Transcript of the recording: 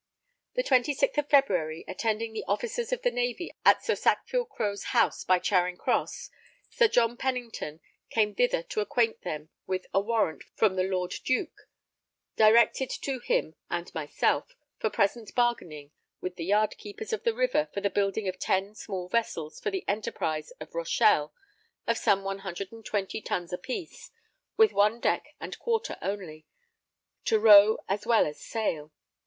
The 26th of February, attending the Officers of the Navy at Sir Sackville Crowe's house by Charing Cross, Sir John Pennington came thither to acquaint them with a warrant from the Lord Duke, directed to him and myself, for present bargaining with the yard keepers of the river for the building of 10 small vessels for the enterprise of Rochelle, of some 120 tons a piece, with one deck and quarter only, to row as well as sail.